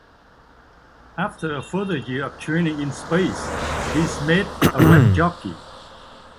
After a further year of training in space he is made a web jockey.